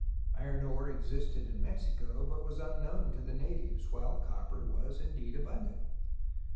Iron ore existed in Mexico, but was unknown to the na tives, while copper was indeed abundant.